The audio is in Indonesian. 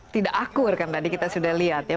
tidak akur kan tadi kita sudah lihat ya